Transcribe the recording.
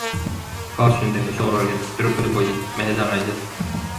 Kaasasündinud soorollid - tüdrukud ja poisid, mehed ja naised.